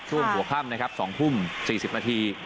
ช่วงหัวค่ำนะครับ๒ทุ่ม๔๐นาที